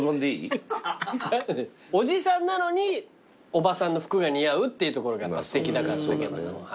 おじさんなのにおばさんの服が似合うっていうところがすてきだから竹山さんは。